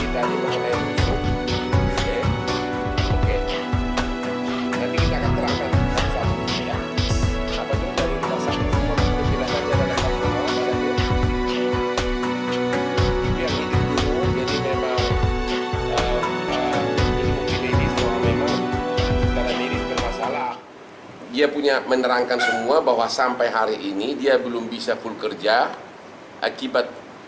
dia punya menerangkan semua bahwa sampai hari ini dia belum bisa full kerja akibat